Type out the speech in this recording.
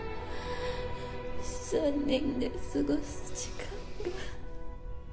３人で過ごす時間が